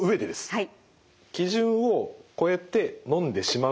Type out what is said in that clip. はい。